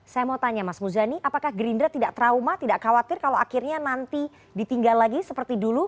saya mau tanya mas muzani apakah gerindra tidak trauma tidak khawatir kalau akhirnya nanti ditinggal lagi seperti dulu